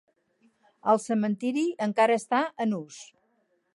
El cementiri encara està en ús.